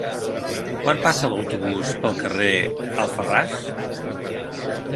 Quan passa l'autobús pel carrer Alfarràs?